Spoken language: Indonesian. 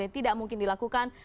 tidak mungkin dilakukan